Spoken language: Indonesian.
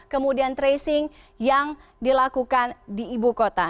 kemudian tracing yang dilakukan di ibu kota